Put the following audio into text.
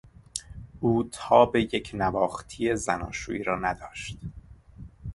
او تاب یکنواختی زناشویی را نداشت.